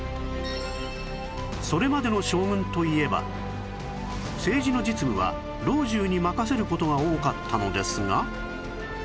それまでの将軍といえば政治の実務は老中に任せる事が多かったのですが